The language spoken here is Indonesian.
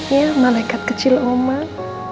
ya malaikat kecil omah